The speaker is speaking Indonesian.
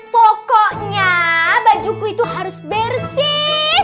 pokoknya bajuku itu harus bersih